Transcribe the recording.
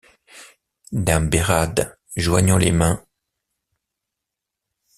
Dame Bérarde, joignant les mains.